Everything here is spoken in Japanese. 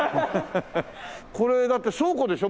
これだって倉庫でしょ？